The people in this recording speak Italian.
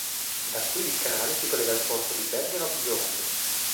Da qui il canale si collega al porto di Bergen op Zoom.